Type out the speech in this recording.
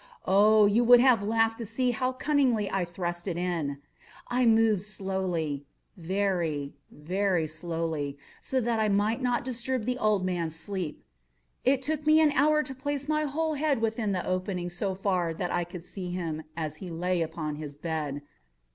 Oh, you would have laughed to see how cunningly I thrust it in! I moved it slowly—very, very slowly, so that I might not disturb the old man's sleep. It took me an hour to place my whole head within the opening so far that I could see him as he lay upon his bed.